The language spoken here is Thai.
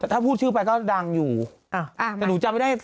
ถ้าพูดชื่อไปก็ดังอยู่แต่หนูจำไม่ได้